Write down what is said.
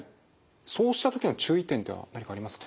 そうした時の注意点っていうのは何かありますか？